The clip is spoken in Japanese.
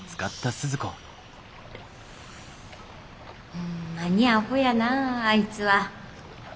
ホンマにアホやなああいつは。